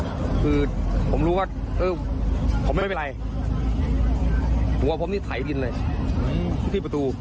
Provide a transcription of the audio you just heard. คือผมรู้ว่าเออผมไม่เป็นไรหัวผมนี่ไถดินเลยที่ประตู